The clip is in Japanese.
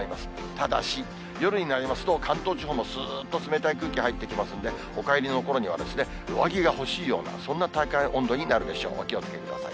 ただし、夜になりますと、関東地方もすーっと冷たい空気入ってきますんで、お帰りのころには上着が欲しいような、そんな体感温度になるでしょう、お気をつけください。